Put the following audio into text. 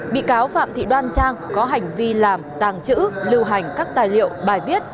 bị cáo phạm thị đoan trang có hành vi làm tàng trữ lưu hành các tài liệu bài viết